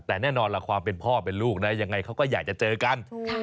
แต่แน่นอนล่ะความเป็นพ่อเป็นลูกนะยังไงเขาก็อยากจะเจอกัน